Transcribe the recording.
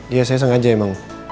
iya saya sengaja emang